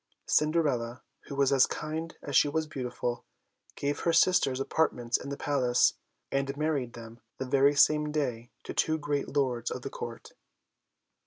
Cinderella, who was as kind as she was beautiful, gave her sisters apartments in the palace, and married them the very same day to two great lords of the court.